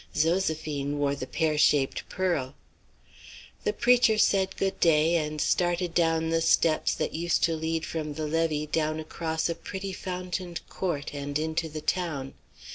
Zoséphine wore the pear shaped pearl. The preacher said good day, and started down the steps that used to lead from the levee down across a pretty fountained court and into the town.